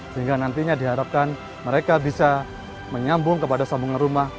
sehingga nantinya diharapkan mereka bisa menyambung kepada sambungan rumah